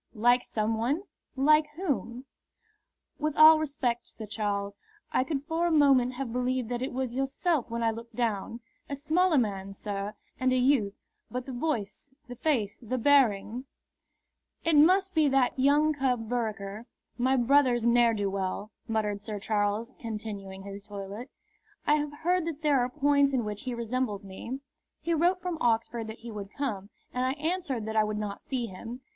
"Like some one? Like whom?" "With all respect, Sir Charles, I could for a moment have believed that it was yourself when I looked down. A smaller man, sir, and a youth; but the voice, the face, the bearing " "It must be that young cub Vereker, my brother's ne'er do weel," muttered Sir Charles, continuing his toilet. "I have heard that there are points in which he resembles me. He wrote from Oxford that he would come, and I answered that I would not see him.